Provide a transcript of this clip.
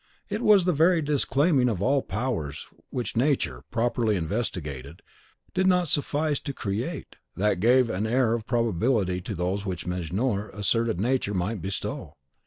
It was the very disclaiming of all powers which Nature, properly investigated, did not suffice to create, that gave an air of probability to those which Mejnour asserted Nature might bestow.